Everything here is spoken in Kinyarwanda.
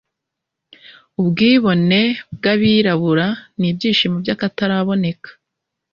ubwibone bw'abirabura, n'ibyishimo by'akataraboneka